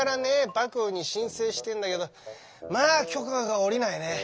幕府に申請してんだけどまあ許可が下りないね。